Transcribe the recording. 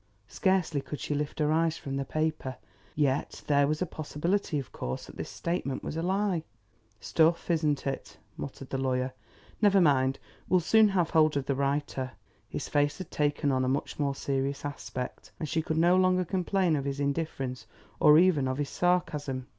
Scarcely could she lift her eyes from the paper. Yet there was a possibility, of course, that this statement was a lie. "Stuff, isn't it?" muttered the lawyer. "Never mind, we'll soon have hold of the writer." His face had taken on a much more serious aspect, and she could no longer complain of his indifference or even of his sarcasm.